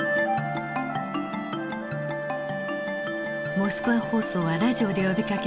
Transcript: モスクワ放送はラジオで呼びかけました。